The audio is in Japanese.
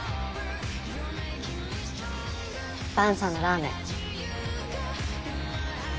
萬さんのラーメン。